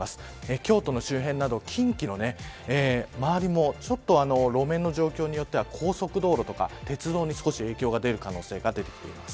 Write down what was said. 京都の周辺など、近畿の周りも路面の状況によっては高速道路とか鉄道に少し影響がる出る可能性が出てきています。